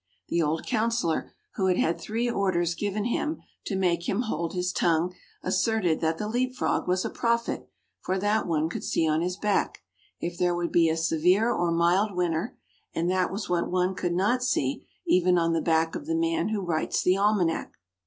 The old councillor, who had had three orders given him to make him hold his tongue, asserted that the Leap frog was a prophet; for that one could see on his back, if there would be a severe or mild winter, and that was what one could not see even on the back of the man who writes the almanac.